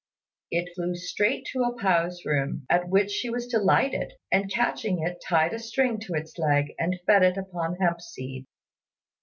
It flew straight to A pao's room, at which she was delighted; and catching it, tied a string to its leg, and fed it upon hemp seed.